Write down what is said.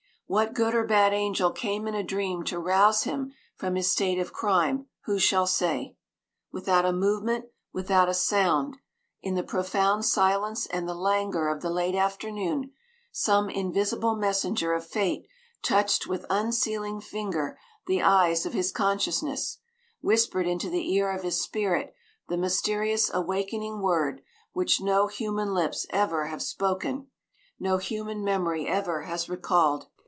What good or bad angel came in a dream to rouse him from his state of crime, who shall say? Without a movement, without a sound, in the profound silence and the languor of the late afternoon, some invisible messenger of fate touched with unsealing finger the eyes of his consciousness whispered into the ear of his spirit the mysterious awakening word which no human lips ever have spoken, no human memory ever has recalled.